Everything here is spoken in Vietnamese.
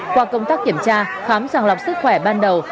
qua công tác kiểm tra khám sàng lọc sức khỏe ban đầu